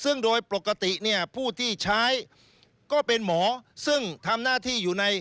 ซึ่งโดยปกติเนี่ยผู้ที่ใช้ก็เป็นหมอซึ่งทำหน้าที่อยู่ใน